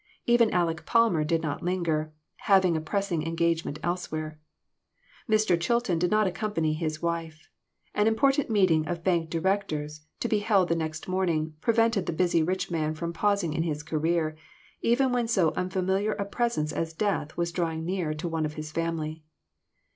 Even Aleck Palmer did not linger, having a pressing engage ment elsewhere. Mr. Chilton did not accompany his wife. An important meeting of bank direct ors, to be held the next morning, prevented the busy rich man from pausing in his career, even when so unfamiliar a presence as death was draw ing near to one of his family.